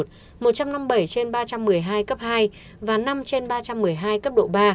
một trăm năm mươi bảy trên ba trăm một mươi hai cấp hai và năm trên ba trăm một mươi hai cấp độ ba